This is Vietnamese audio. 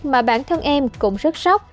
mà bản thân em cũng rất sốc